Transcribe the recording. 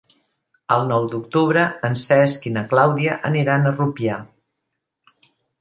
El nou d'octubre en Cesc i na Clàudia aniran a Rupià.